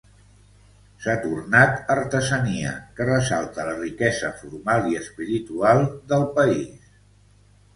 S'ha tornat artesania que ressalta la riquesa formal i espiritual del país.